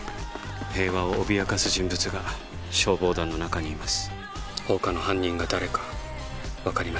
平和を脅かす人物が消防団の中にいます。